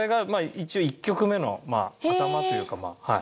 一応１曲目の頭というかはい。